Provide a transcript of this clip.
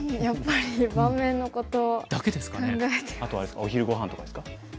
あとはあれですかお昼ごはんとかですか？